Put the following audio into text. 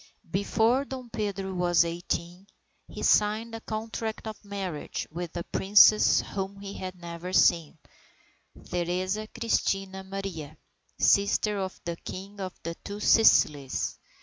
Before Dom Pedro was eighteen, he signed a contract of marriage with a Princess whom he had never seen, Theresa Christina Maria, sister of the King of the two Sicilies.